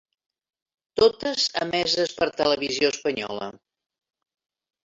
Totes emeses per Televisió Espanyola.